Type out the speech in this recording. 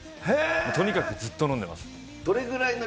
とにかくずっと飲んでます。